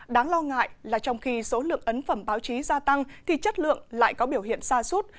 đáng lo ngại là trong khi số lượng ấn phẩm báo chí gia tăng thì chất lượng lại có biểu hiện xa suốt